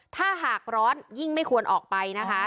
ถ้าหากร้อนยิ่งไม่ควรออกไปนะคะ